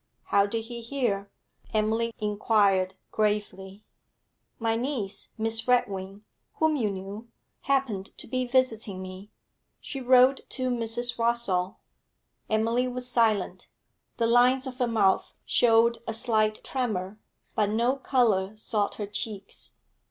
'How did he hear?' Emily inquired, gravely. 'My niece, Miss Redwing, whom you knew, happened to be visiting me. She wrote to Mrs. Rossall.' Emily was silent. The lines of her mouth showed a slight tremor, but no colour sought her cheeks.